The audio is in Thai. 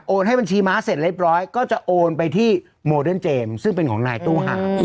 ให้บัญชีม้าเสร็จเรียบร้อยก็จะโอนไปที่โมเดิร์นเจมส์ซึ่งเป็นของนายตู้ห่าว